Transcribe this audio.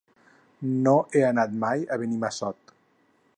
No he anat mai a Benimassot.